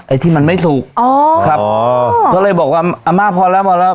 ไอ้ที่มันไม่ถูกอ๋อครับอ๋อก็เลยบอกว่าอาม่าพอแล้วพอแล้ว